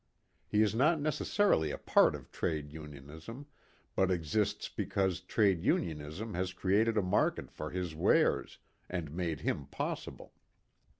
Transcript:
He is not necessarily a part of trade unionism, but exists because trade unionism has created a market for his wares, and made him possible.